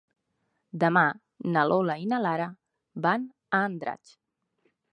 Demà na Lola i na Lara van a Andratx.